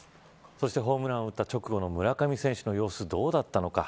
そしてホームランを打った直後の村上選手の様子はどうだったのか。